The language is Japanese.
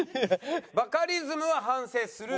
バカリズムは反省する。